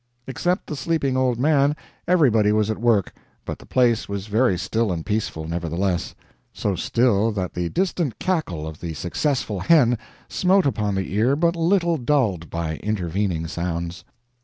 Except the sleeping old man, everybody was at work, but the place was very still and peaceful, nevertheless; so still that the distant cackle of the successful hen smote upon the ear but little dulled by intervening sounds.